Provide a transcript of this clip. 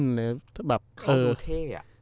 เขาดูเท่อ่ะ